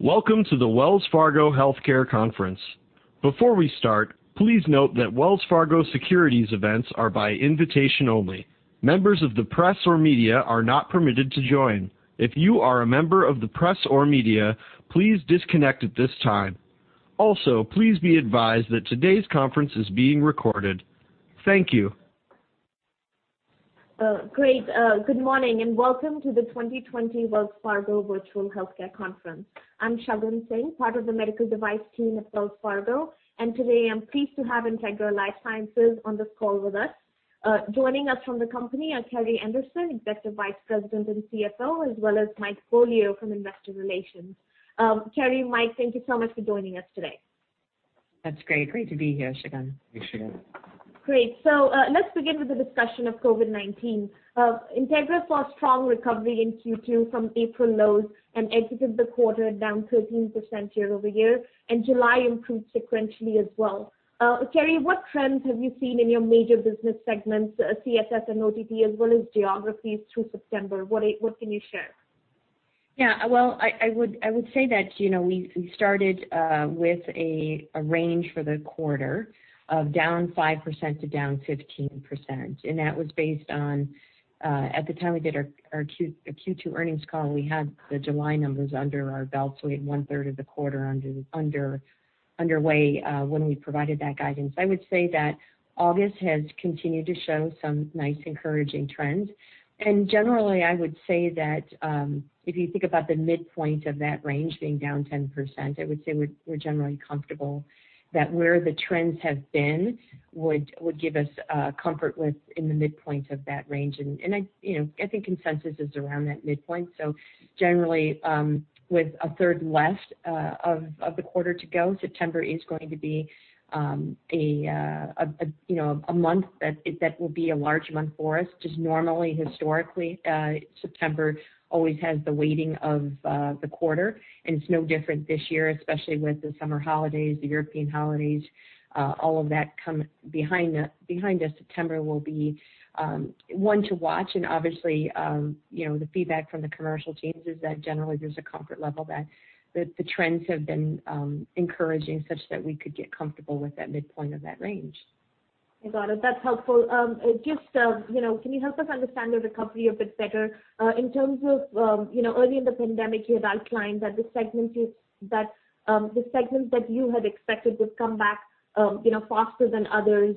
Welcome to the Wells Fargo Healthcare Conference. Before we start, please note that Wells Fargo Securities events are by invitation only. Members of the press or media are not permitted to join. If you are a member of the press or media, please disconnect at this time. Also, please be advised that today's conference is being recorded. Thank you. Great. Good morning and welcome to the 2020 Wells Fargo Virtual Healthcare Conference. I'm Shagun Singh, part of the medical device team at Wells Fargo, and today I'm pleased to have Integra LifeSciences on this call with us. Joining us from the company are Carrie Anderson, Executive Vice President and CFO, as well as Mike Beaulieu from Investor Relations. Carrie, Mike, thank you so much for joining us today. That's great. Great to be here, Shagun. Thanks, Shagun. Great. So, let's begin with the discussion of COVID-19. Integra saw strong recovery in Q2 from April lows and exited the quarter down 13% year-over-year, and July improved sequentially as well. Carrie, what trends have you seen in your major business segments, CSS and OTT, as well as geographies through September? What can you share? Yeah, well, I would say that, you know, we started with a range for the quarter of down 5% to down 15%, and that was based on, at the time we did our Q2 earnings call, we had the July numbers under our belt, so we had one-third of the quarter underway when we provided that guidance. I would say that August has continued to show some nice encouraging trends. Generally, I would say that, if you think about the midpoint of that range being down 10%, I would say we're generally comfortable that where the trends have been would give us comfort within the midpoint of that range. And I, you know, I think consensus is around that midpoint. So generally, with a third left of the quarter to go, September is going to be, you know, a month that will be a large month for us. Just normally, historically, September always has the weighting of the quarter, and it's no different this year, especially with the summer holidays, the European holidays, all of that come behind us. September will be one to watch. And obviously, you know, the feedback from the commercial teams is that generally there's a comfort level that the trends have been encouraging such that we could get comfortable with that midpoint of that range. I got it. That's helpful. Just, you know, can you help us understand the recovery a bit better? In terms of, you know, early in the pandemic, you had outlined that the segments that you had expected would come back, you know, faster than others.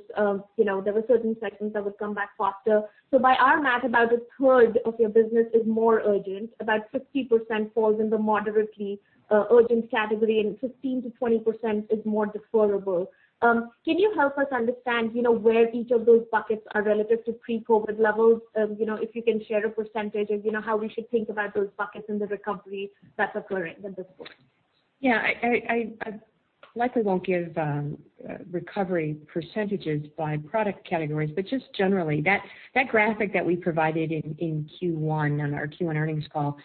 You know, there were certain segments that would come back faster. So by our math, about a third of your business is more urgent, about 50% falls in the moderately urgent category, and 15% to 20% is more deferable. Can you help us understand, you know, where each of those buckets are relative to pre-COVID levels? You know, if you can share a percentage of, you know, how we should think about those buckets in the recovery that's occurring at this point. Yeah, I likely won't give recovery percentages by product categories, but just generally that graphic that we provided in Q1 on our Q1 earnings call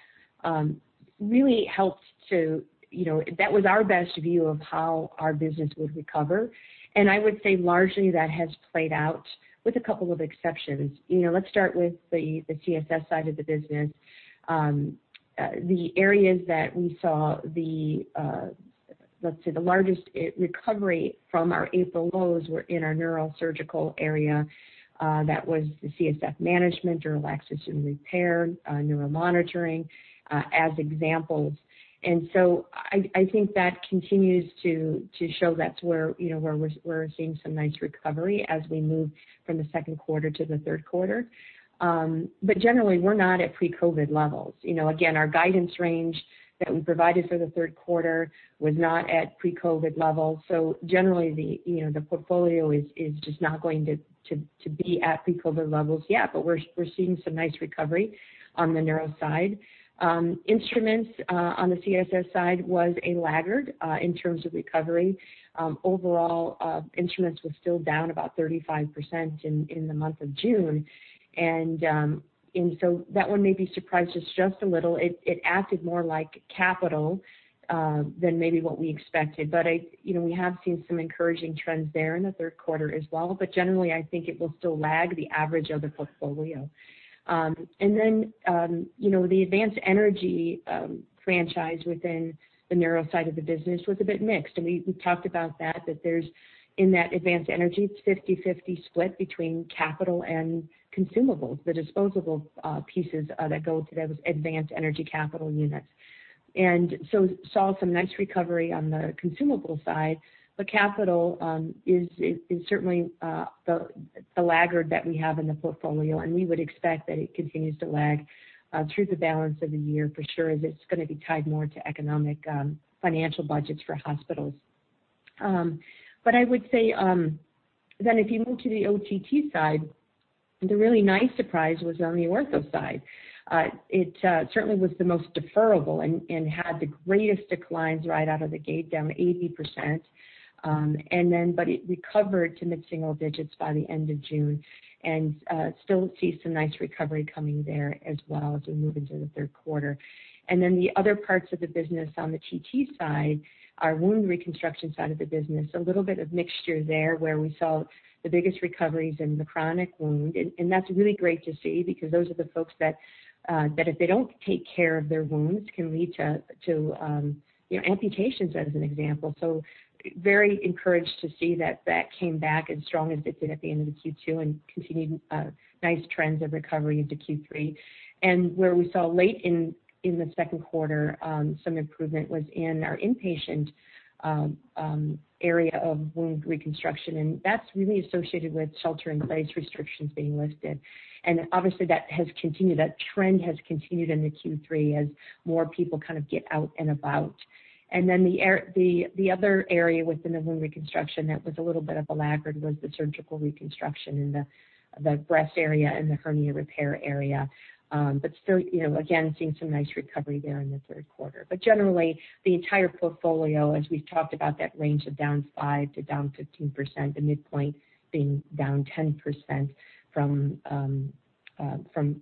really helped to, you know, that was our best view of how our business would recover. And I would say largely that has played out with a couple of exceptions. You know, let's start with the CSS side of the business. The areas that we saw the, let's say the largest recovery from our April lows were in our neurosurgical area, that was the CSF Management, Neurolysis and Repair, Neuromonitoring, as examples. And so I think that continues to show that's where, you know, where we're seeing some nice recovery as we move from the second quarter to the third quarter. But generally we're not at pre-COVID levels. You know, again, our guidance range that we provided for the third quarter was not at pre-COVID levels. So generally the portfolio is just not going to be at pre-COVID levels yet, but we're seeing some nice recovery on the neuro side. Instruments, on the CSS side, was a laggard in terms of recovery. Overall, instruments was still down about 35% in the month of June, and so that one maybe surprised us just a little. It acted more like capital than maybe what we expected, but I, you know, we have seen some encouraging trends there in the third quarter as well, but generally, I think it will still lag the average of the portfolio, and then, you know, the Advanced Energy franchise within the neuro side of the business was a bit mixed. And we talked about that, that there's in that Advanced Energy, it's 50/50 split between capital and consumables, the disposable pieces that go to those Advanced Energy capital units. And so saw some nice recovery on the consumable side, but capital is certainly the laggard that we have in the portfolio, and we would expect that it continues to lag through the balance of the year for sure, as it's gonna be tied more to economic, financial budgets for hospitals. But I would say, then if you move to the OTT side, the really nice surprise was on the ortho side. It certainly was the most deferable and had the greatest declines right out of the gate, down 80%. And then, but it recovered to mid-single digits by the end of June, and still see some nice recovery coming there as well as we move into the third quarter. Then the other parts of the business on the OTT side, our Wound Reconstruction side of the business, a little bit of mixture there where we saw the biggest recoveries in the Chronic Wound. And that's really great to see because those are the folks that if they don't take care of their wounds can lead to you know, amputations as an example. So very encouraged to see that that came back as strong as it did at the end of the Q2 and continued nice trends of recovery into Q3. And where we saw late in the second quarter, some improvement was in our inpatient area of Wound Reconstruction. And that's really associated with shelter-in-place restrictions being lifted. Obviously that has continued, that trend has continued in the Q3 as more people kind of get out and about. Then there, the other area within the Wound Reconstruction that was a little bit of a laggard was the Surgical Reconstruction in the breast area and the Hernia Repair area. But still, you know, again, seeing some nice recovery there in the third quarter. Generally the entire portfolio, as we've talked about that range of down 5% to down 15%, the midpoint being down 10% from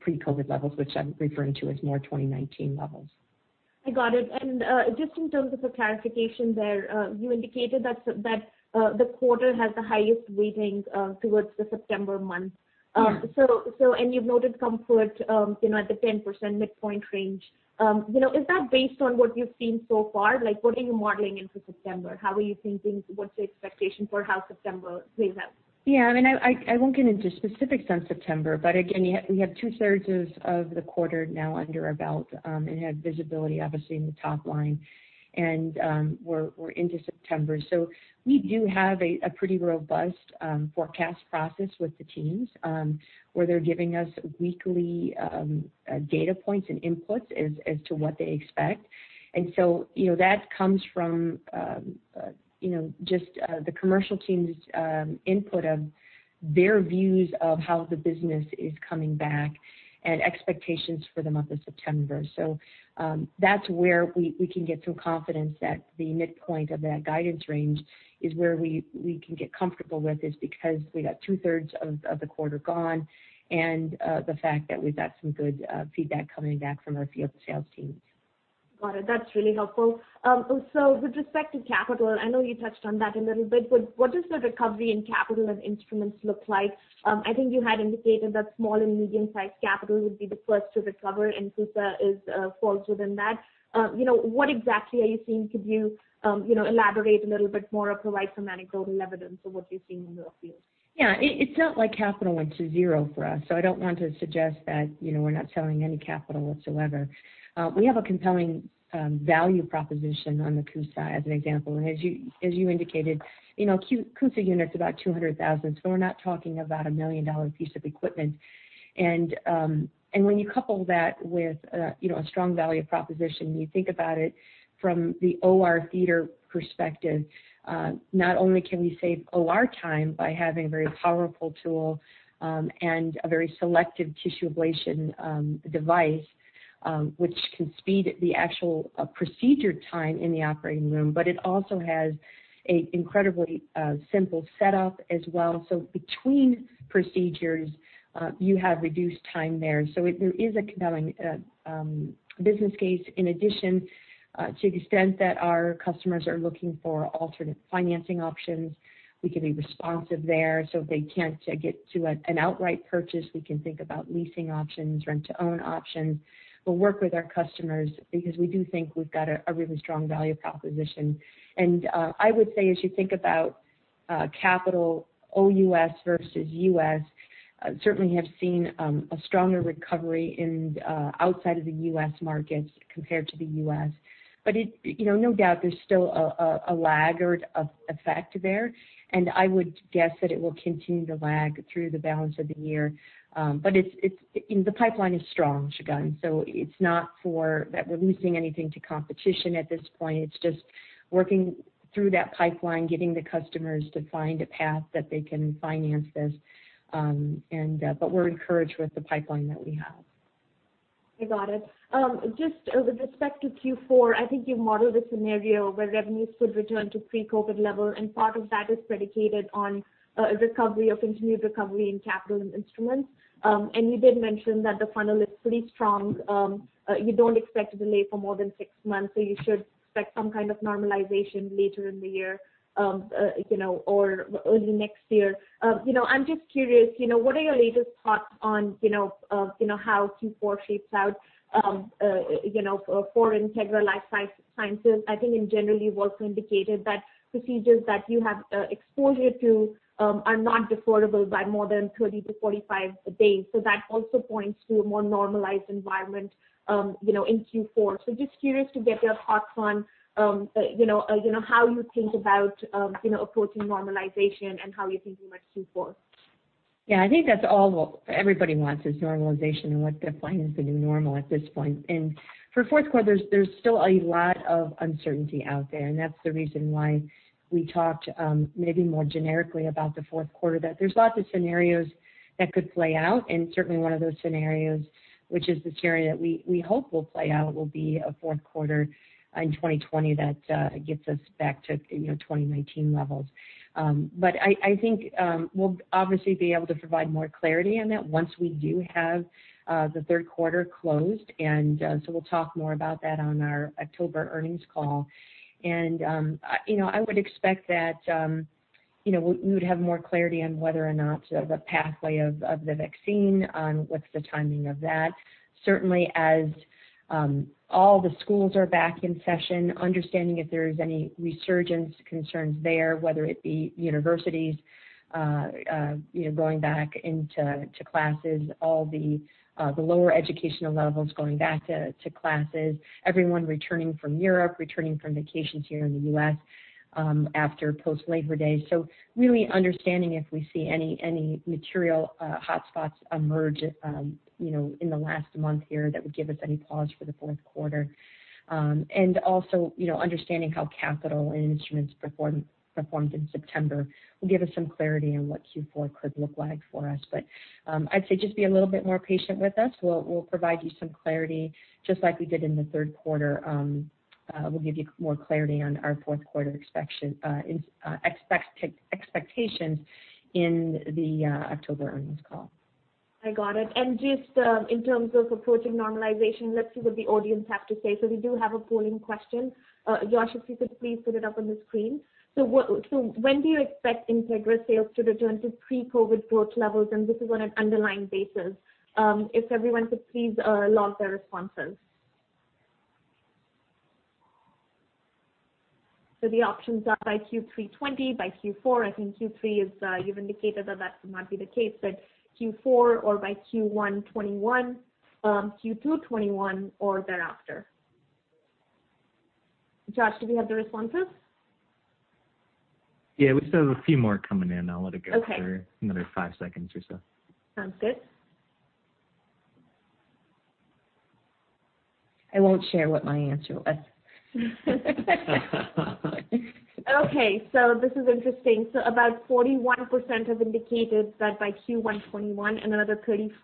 pre-COVID levels, which I'm referring to as more 2019 levels. I got it. And just in terms of a clarification there, you indicated that the quarter has the highest weighting towards the September month. And you've noted comfort, you know, at the 10% midpoint range. You know, is that based on what you've seen so far? Like, what are you modeling in for September? How are you thinking? What's your expectation for how September plays out? Yeah, I mean, I won't get into specifics on September, but again, we have two-thirds of the quarter now under our belt, and have visibility obviously in the top line. And, we're into September. So we do have a pretty robust forecast process with the teams, where they're giving us weekly data points and inputs as to what they expect. And so, you know, that comes from, you know, just the commercial team's input of their views of how the business is coming back and expectations for the month of September. So, that's where we can get some confidence that the midpoint of that guidance range is where we can get comfortable with is because we got two-thirds of the quarter gone and the fact that we've got some good feedback coming back from our field sales teams. Got it. That's really helpful. So with respect to capital, and I know you touched on that a little bit, but what does the recovery in capital and instruments look like? I think you had indicated that small and medium-sized capital would be the first to recover, and CUSA is, falls within that. You know, what exactly are you seeing? Could you, you know, elaborate a little bit more or provide some anecdotal evidence of what you're seeing in your field? Yeah, it's not like capital went to zero for us. So I don't want to suggest that, you know, we're not selling any capital whatsoever. We have a compelling value proposition on the CUSA as an example. And as you indicated, you know, CUSA unit's about $200,000, so we're not talking about a $1 million piece of equipment. And when you couple that with, you know, a strong value proposition and you think about it from the OR theater perspective, not only can we save OR time by having a very powerful tool and a very selective tissue ablation device, which can speed the actual procedure time in the operating room, but it also has an incredibly simple setup as well. So between procedures, you have reduced time there. There is a compelling business case in addition to the extent that our customers are looking for alternate financing options. We can be responsive there. So if they can't get to an outright purchase, we can think about leasing options, rent-to-own options. We'll work with our customers because we do think we've got a really strong value proposition. And I would say as you think about capital OUS versus US, certainly have seen a stronger recovery in outside of the US markets compared to the US. But you know no doubt there's still a laggard effect there. And I would guess that it will continue to lag through the balance of the year. But it's you know the pipeline is strong, Shagun. So it's not for that we're losing anything to competition at this point. It's just working through that pipeline, getting the customers to find a path that they can finance this. But we're encouraged with the pipeline that we have. I got it. Just with respect to Q4, I think you've modeled a scenario where revenues could return to pre-COVID level, and part of that is predicated on a recovery or continued recovery in capital and instruments, and you did mention that the funnel is pretty strong. You don't expect a delay for more than six months, so you should expect some kind of normalization later in the year, you know, or early next year. You know, I'm just curious, you know, what are your latest thoughts on, you know, you know, how Q4 shapes out, you know, for, for Integra LifeSciences. I think in general, you've also indicated that procedures that you have exposure to are not deferable by more than 20 to 45 days, so that also points to a more normalized environment, you know, in Q4. So just curious to get your thoughts on, you know, how you think about, you know, approaching normalization and how you think you might Q4? Yeah, I think that's all what everybody wants is normalization and what defines the new normal at this point. And for fourth quarter, there's still a lot of uncertainty out there. And that's the reason why we talked, maybe more generically about the fourth quarter, that there's lots of scenarios that could play out. And certainly one of those scenarios, which is the scenario that we hope will play out, will be a fourth quarter in 2020 that gets us back to, you know, 2019 levels. But I think we'll obviously be able to provide more clarity on that once we do have the third quarter closed. And so we'll talk more about that on our October earnings call. You know, I would expect that, you know, we would have more clarity on whether or not the pathway of the vaccine, on what's the timing of that. Certainly as all the schools are back in session, understanding if there's any resurgence concerns there, whether it be universities, you know, going back to classes, all the lower educational levels going back to classes, everyone returning from Europe, returning from vacations here in the U.S., after post-Labor Day. So really understanding if we see any material hotspots emerge, you know, in the last month here that would give us any pause for the fourth quarter. And also, you know, understanding how capital and instruments performed in September will give us some clarity on what Q4 could look like for us. But, I'd say just be a little bit more patient with us. We'll provide you some clarity just like we did in the third quarter. We'll give you more clarity on our fourth quarter expectations in the October earnings call. I got it. And just, in terms of approaching normalization, let's see what the audience have to say. So we do have a polling question. Josh, if you could please put it up on the screen. So what, so when do you expect Integra sales to return to pre-COVID growth levels? And this is on an underlying basis. If everyone could please log their responses. So the options are by Q3 2020, by Q4 2020. I think Q3 is, you've indicated that that might be the case, but Q4 or by Q1 2021, Q2 2021, or thereafter. Josh, do we have the responses? Yeah, we still have a few more coming in. I'll let it go for another five seconds or so. Sounds good. I won't share what my answer was. Okay. So this is interesting. So about 41% have indicated that by Q1 2021 and another 35%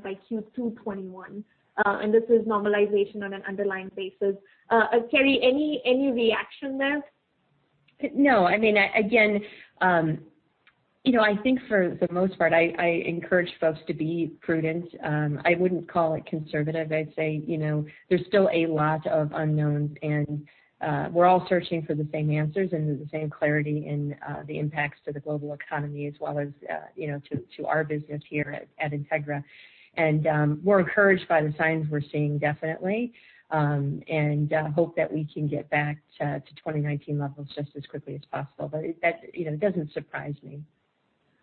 by Q2 2021, and this is normalization on an underlying basis. Carrie, any, any reaction there? No, I mean, again, you know, I think for the most part, I encourage folks to be prudent. I wouldn't call it conservative. I'd say, you know, there's still a lot of unknowns and we're all searching for the same answers and the same clarity in the impacts to the global economy as well as, you know, to our business here at Integra. And we're encouraged by the signs we're seeing definitely and hope that we can get back to 2019 levels just as quickly as possible. But that, you know, it doesn't surprise me.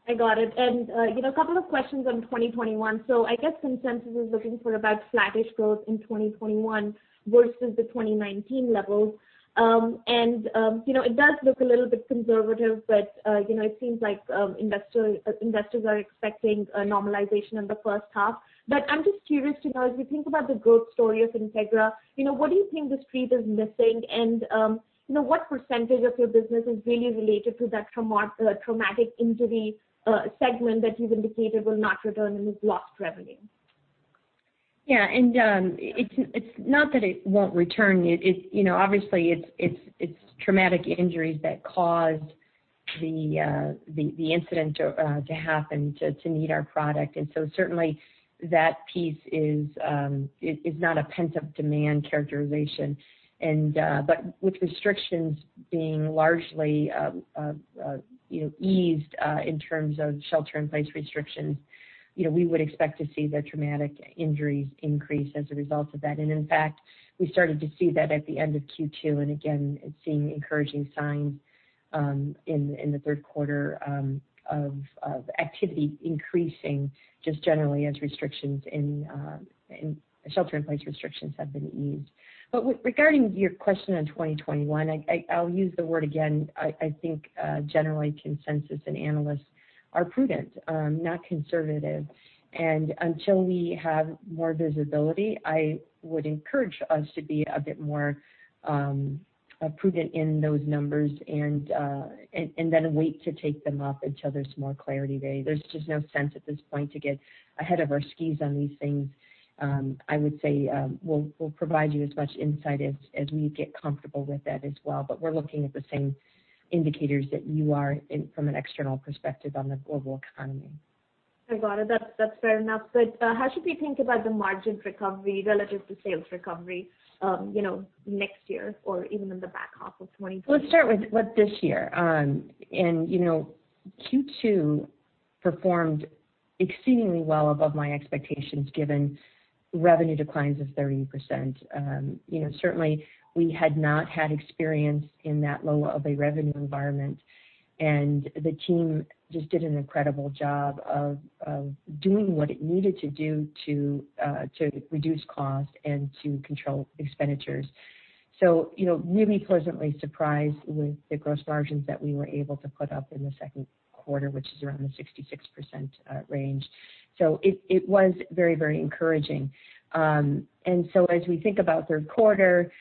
I got it. And, you know, a couple of questions on 2021. So I guess consensus is looking for about flattish growth in 2021 versus the 2019 levels, and you know, it does look a little bit conservative, but, you know, it seems like investors are expecting a normalization in the first half. But I'm just curious to know, as we think about the growth story of Integra, you know, what do you think the street is missing? And, you know, what percentage of your business is really related to that trauma, traumatic injury, segment that you've indicated will not return and has lost revenue? Yeah. And it's not that it won't return. It you know, obviously it's traumatic injuries that caused the incident to happen to need our product. And so certainly that piece is not a pent-up demand characterization. But with restrictions being largely you know, eased in terms of shelter-in-place restrictions, you know, we would expect to see the traumatic injuries increase as a result of that. And in fact, we started to see that at the end of Q2 and again, seeing encouraging signs in the third quarter of activity increasing just generally as restrictions in shelter-in-place restrictions have been eased. Regarding your question on 2021, I'll use the word again. I think generally consensus and analysts are prudent, not conservative. Until we have more visibility, I would encourage us to be a bit more prudent in those numbers and then wait to take them up until there's more clarity there. There's just no sense at this point to get ahead of our skis on these things. I would say we'll provide you as much insight as we get comfortable with that as well. But we're looking at the same indicators that you are and from an external perspective on the global economy. I got it. That's, that's fair enough. But, how should we think about the margin recovery relative to sales recovery, you know, next year or even in the back half of 2020? Let's start with this year. And you know, Q2 performed exceedingly well above my expectations given revenue declines of 30%. You know, certainly we had not had experience in that low of a revenue environment. And the team just did an incredible job of doing what it needed to do to reduce cost and to control expenditures. So you know, really pleasantly surprised with the gross margins that we were able to put up in the second quarter, which is around the 66% range. So it was very, very encouraging. And so as we think about third quarter,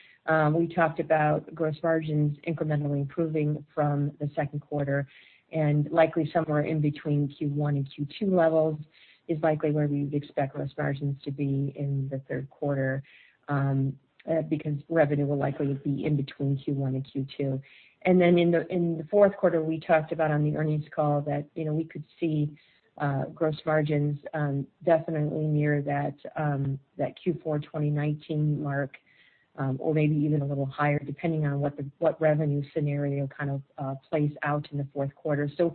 we talked about gross margins incrementally improving from the second quarter and likely somewhere in between Q1 and Q2 levels is likely where we would expect gross margins to be in the third quarter, because revenue will likely be in between Q1 and Q2. And then in the fourth quarter, we talked about on the earnings call that, you know, we could see gross margins definitely near that Q4 2019 mark, or maybe even a little higher depending on what the revenue scenario kind of plays out in the fourth quarter. So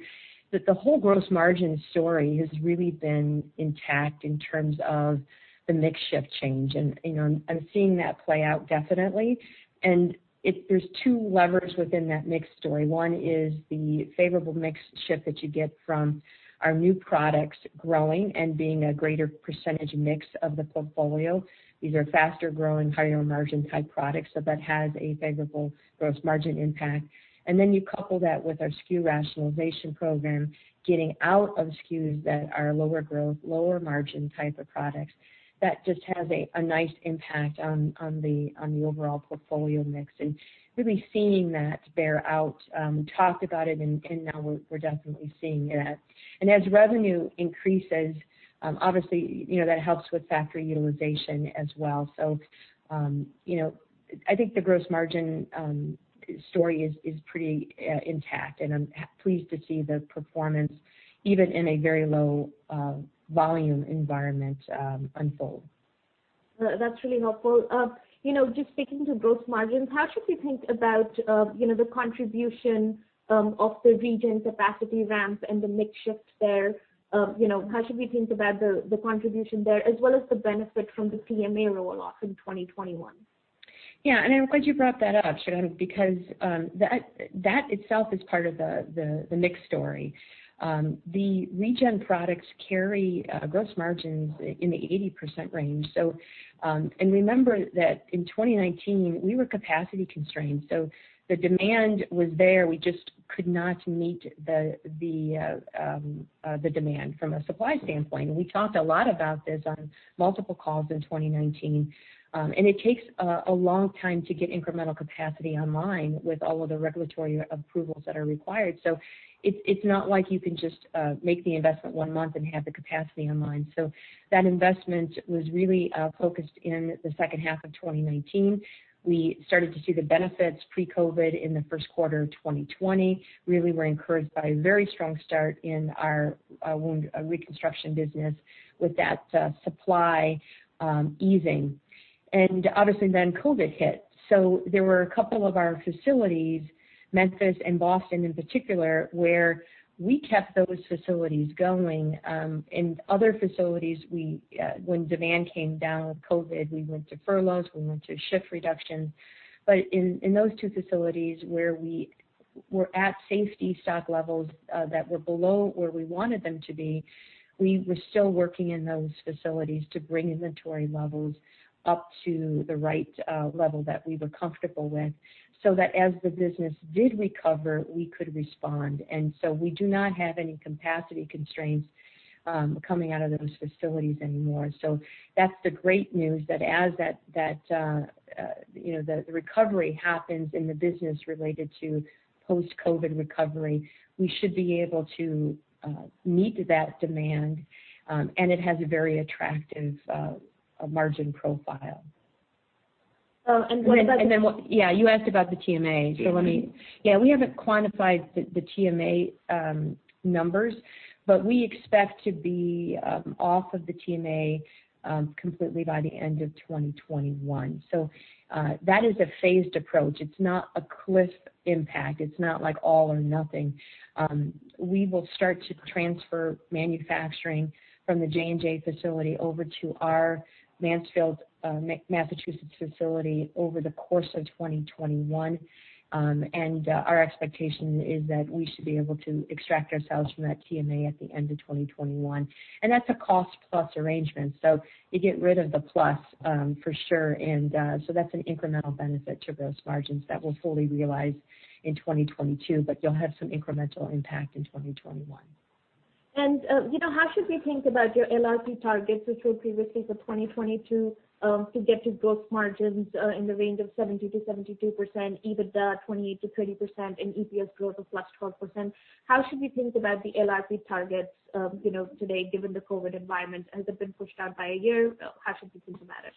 the whole gross margin story has really been intact in terms of the mix shift change. And, you know, I'm seeing that play out definitely. And it, there's two levers within that mix story. One is the favorable mix shift that you get from our new products growing and being a greater percentage mix of the portfolio. These are faster growing, higher margin type products. So that has a favorable gross margin impact. And then you couple that with our SKU rationalization program, getting out of SKUs that are lower growth, lower margin type of products that just has a nice impact on the overall portfolio mix and really seeing that bear out. We talked about it and now we're definitely seeing that. And as revenue increases, obviously, you know, that helps with factory utilization as well. So, you know, I think the gross margin story is pretty intact. And I'm pleased to see the performance even in a very low-volume environment unfold. That's really helpful. You know, just speaking to gross margins, how should we think about, you know, the contribution of the Regen capacity ramp and the mix shift there? You know, how should we think about the, the contribution there as well as the benefit from the TMA rolloff in 2021? Yeah. And I'm glad you brought that up, Shagun, because that itself is part of the mix story. The Regen products carry gross margins in the 80% range. Remember that in 2019, we were capacity constrained. The demand was there. We just could not meet the demand from a supply standpoint. We talked a lot about this on multiple calls in 2019. It takes a long time to get incremental capacity online with all of the regulatory approvals that are required. It's not like you can just make the investment one month and have the capacity online. That investment was really focused in the second half of 2019. We started to see the benefits pre-COVID in the first quarter of 2020. Really were encouraged by a very strong start in our Wound Reconstruction business with that supply easing. Obviously then COVID hit. So there were a couple of our facilities, Memphis and Boston in particular, where we kept those facilities going. In other facilities, when demand came down with COVID, we went to furloughs. We went to shift reductions. But in those two facilities where we were at safety stock levels that were below where we wanted them to be, we were still working in those facilities to bring inventory levels up to the right level that we were comfortable with so that as the business did recover, we could respond. So we do not have any capacity constraints coming out of those facilities anymore. So that's the great news that as that you know the recovery happens in the business related to post-COVID recovery, we should be able to meet that demand, and it has a very attractive margin profile. And what about the. And then what? Yeah, you asked about the TMA. So let me. Yeah, we haven't quantified the TMA numbers, but we expect to be off of the TMA completely by the end of 2021. So that is a phased approach. It's not a cliff impact. It's not like all or nothing. We will start to transfer manufacturing from the J&J facility over to our Mansfield, Massachusetts facility over the course of 2021, and our expectation is that we should be able to extract ourselves from that TMA at the end of 2021. And that's a cost-plus arrangement. So you get rid of the plus, for sure. And so that's an incremental benefit to gross margins that we'll fully realize in 2022, but you'll have some incremental impact in 2021. You know, how should we think about your LRP targets, which were previously for 2022, to get to gross margins in the range of 70% to 72%, EBITDA 28% to 30%, and EPS growth of +12%? How should we think about the LRP targets, you know, today given the COVID environment? Has it been pushed out by a year? How should we think about it?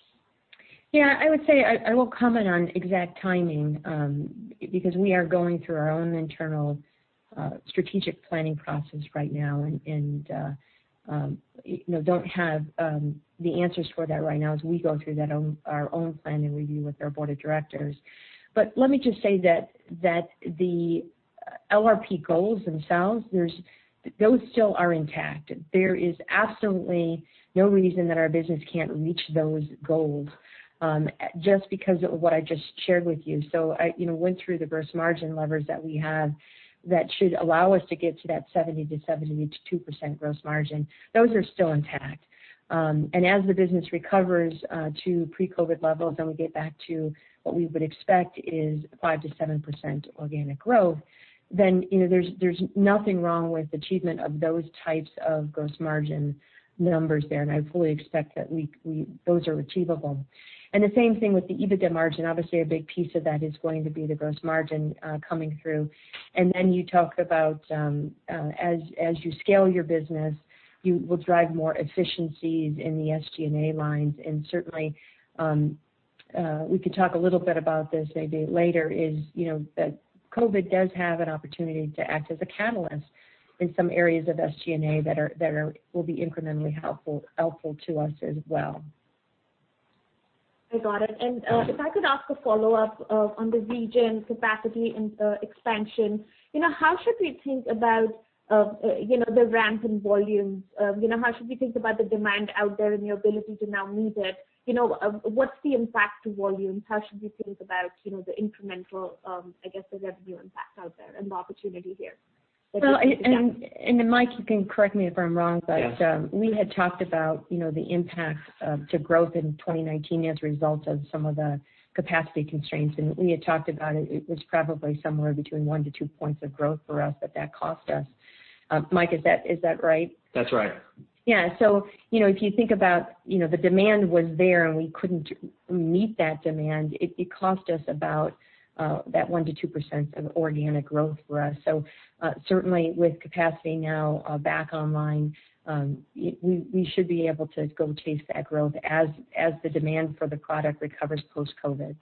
Yeah, I would say I won't comment on exact timing, because we are going through our own internal strategic planning process right now and, you know, don't have the answers for that right now as we go through that, our own plan and review with our Board of Directors. But let me just say that the LRP goals themselves, there's those still are intact. There is absolutely no reason that our business can't reach those goals, just because of what I just shared with you. So I, you know, went through the gross margin levers that we have that should allow us to get to that 70% to 72% gross margin. Those are still intact. And as the business recovers to pre-COVID levels and we get back to what we would expect is 5% to 7% organic growth, then, you know, there's nothing wrong with achievement of those types of gross margin numbers there. And I fully expect that we those are achievable. And the same thing with the EBITDA margin. Obviously, a big piece of that is going to be the gross margin coming through. And then you talk about as you scale your business, you will drive more efficiencies in the SG&A lines. And certainly, we could talk a little bit about this maybe later is, you know, that COVID does have an opportunity to act as a catalyst in some areas of SG&A that will be incrementally helpful to us as well. I got it. And if I could ask a follow-up on the Regen capacity and expansion, you know, how should we think about, you know, the ramp in volumes? You know, how should we think about the demand out there and your ability to now meet it? You know, what's the impact to volumes? How should we think about, you know, the incremental, I guess the revenue impact out there and the opportunity here? Mike, you can correct me if I'm wrong, but we had talked about, you know, the impact to growth in 2019 as a result of some of the capacity constraints. We had talked about it. It was probably somewhere between one to two points of growth for us that cost us. Mike, is that right? That's right. Yeah. So, you know, if you think about, you know, the demand was there and we couldn't meet that demand. It cost us about that 1 to 2% of organic growth for us. So, certainly with capacity now back online, we should be able to go chase that growth as the demand for the product recovers post-COVID.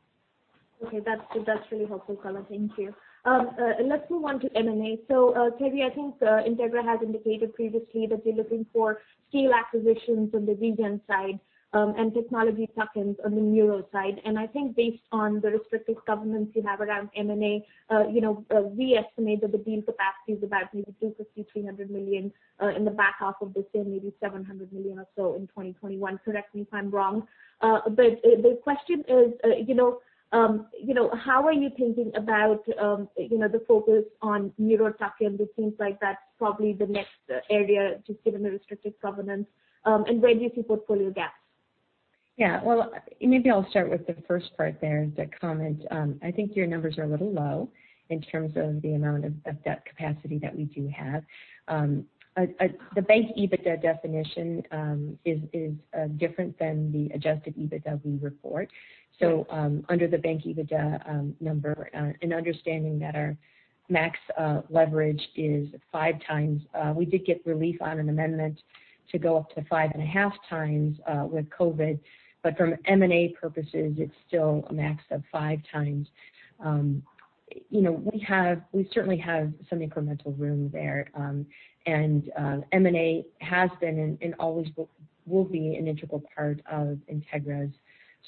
Okay. That's, that's really helpful, Carrie. Thank you. Let's move on to M&A. So, Carrie, I think, Integra has indicated previously that they're looking for scale acquisitions on the Regen side, and technology tuck-ins on the neuro side. And I think based on the restrictive governance you have around M&A, you know, we estimate that the deal capacity is about maybe $250-$300 million, in the back half of this year, maybe $700 million or so in 2021. Correct me if I'm wrong. But the question is, you know, you know, how are you thinking about, you know, the focus on neuro tuck-in? It seems like that's probably the next area just given the restrictive governance. And where do you see portfolio gaps? Yeah. Well, maybe I'll start with the first part there as a comment. I think your numbers are a little low in terms of the amount of debt capacity that we do have. The base EBITDA definition is different than the adjusted EBITDA we report. So, under the bank EBITDA number, understanding that our max leverage is five times, we did get relief on an amendment to go up to five and a half times with COVID, but from M&A purposes, it's still a max of five times. You know, we have, we certainly have some incremental room there. And M&A has been and always will be an integral part of Integra's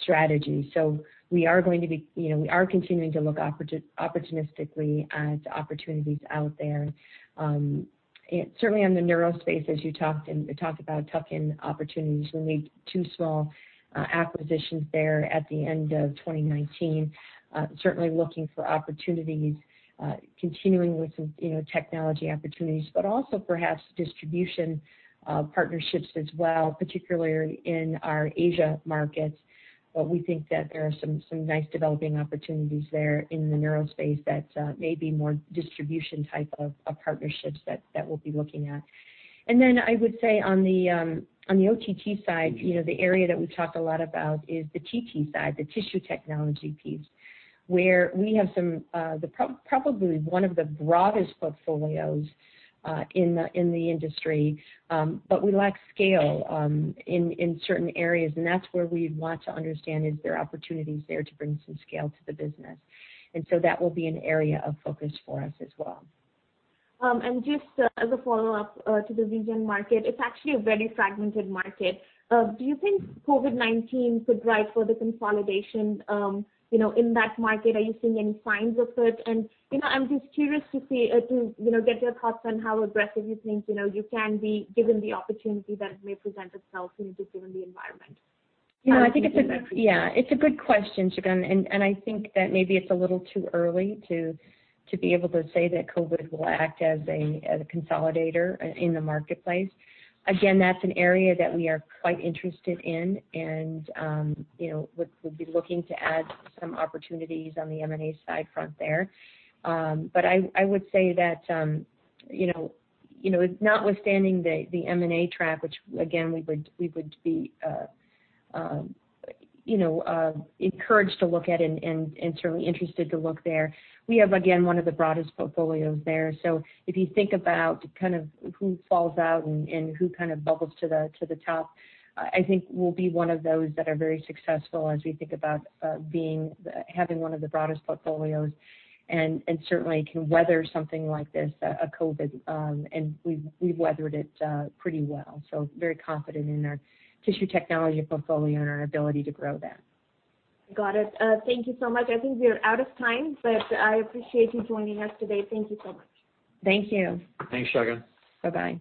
strategy. So we are going to be, you know, we are continuing to look opportunistically at opportunities out there. And certainly on the neuro space, as you talked about tuck-in opportunities, we made two small acquisitions there at the end of 2019. Certainly looking for opportunities, continuing with some, you know, technology opportunities, but also perhaps distribution partnerships as well, particularly in our Asia markets. But we think that there are some nice developing opportunities there in the neuro space that may be more distribution type of partnerships that we'll be looking at. And then I would say on the OTT side, you know, the area that we've talked a lot about is the TT side, the Tissue Technology piece, where we have probably one of the broadest portfolios in the industry. But we lack scale in certain areas. And that's where we want to understand, is there opportunities there to bring some scale to the business. And so that will be an area of focus for us as well. And just as a follow-up to the Regen market, it's actually a very fragmented market. Do you think COVID-19 could drive further consolidation, you know, in that market? Are you seeing any signs of it? And, you know, I'm just curious to see, you know, get your thoughts on how aggressive you think, you know, you can be given the opportunity that it may present itself, you know, just given the environment. Yeah. I think it's a, yeah, it's a good question, Shagun. And, and I think that maybe it's a little too early to, to be able to say that COVID will act as a, as a consolidator in the marketplace. Again, that's an area that we are quite interested in and, you know, would, would be looking to add some opportunities on the M&A side front there. But I, I would say that, you know, you know, notwithstanding the, the M&A track, which again, we would, we would be, you know, encouraged to look at and, and, and certainly interested to look there. We have, again, one of the broadest portfolios there. So if you think about kind of who falls out and who kind of bubbles to the top, I think will be one of those that are very successful as we think about being the having one of the broadest portfolios and certainly can weather something like this, a COVID-19. And we've weathered it pretty well. So very confident in our Tissue Technology portfolio and our ability to grow that. Got it. Thank you so much. I think we are out of time, but I appreciate you joining us today. Thank you so much. Thank you. Thanks, Shagun. Bye-bye.